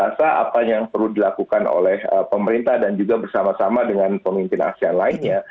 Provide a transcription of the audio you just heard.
saya rasa apa yang perlu dilakukan oleh pemerintah dan juga bersama sama dengan pemimpin asean lainnya